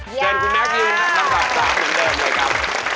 เชิญคุณแมคยืนเรียกมาแปบสามเหมือนเดิมค่ะ